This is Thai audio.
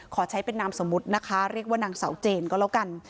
ขอใช้เป็นนามสมมุตินะคะเรียกว่านางเสาเจนก็แล้วกัน